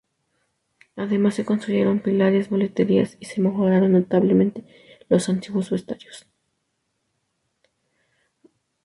Además se construyeron pilares, boleterías y se mejoraron notablemente los antiguos vestuarios.